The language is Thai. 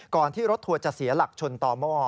ที่รถทัวร์จะเสียหลักชนต่อหม้อ